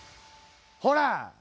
ほら！